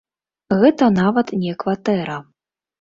Гэта нават не кватэра.